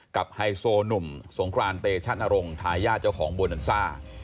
กับไฮโซหนุ่มสงครานเตชะนารงถ่ายญาติเจ้าของโบนัสรา